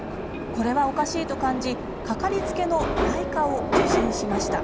これはおかしいと感じ掛かりつけの内科を受診しました。